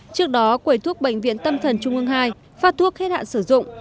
trước đó quầy thuốc bệnh viện tâm thần trung ương ii phát thuốc hết hạn sử dụng